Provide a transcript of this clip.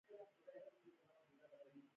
بیا یې د حرارت په واسطه وچوي د پاکوالي لپاره.